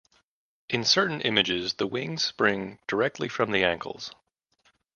In certain images, the wings spring directly from the ankles.